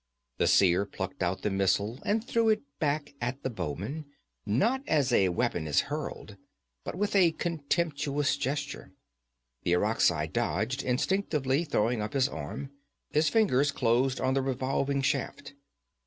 The Seer plucked out the missile and threw it back at the bowman, not as a weapon is hurled, but with a contemptuous gesture. The Irakzai dodged, instinctively throwing up his arm. His fingers closed on the revolving shaft.